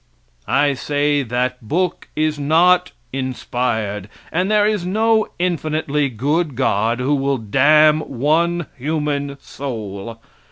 I say that book is not inspired, and there is no infinitely good God who will damn one human soul.